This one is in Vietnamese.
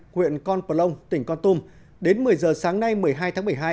huyện con pà lông tỉnh con tôm đến một mươi giờ sáng nay một mươi hai tháng một mươi hai